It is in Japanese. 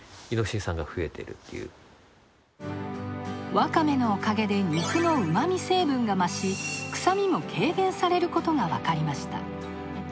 わかめのおかげで肉のうまみ成分が増し臭みも軽減されることが分かりました。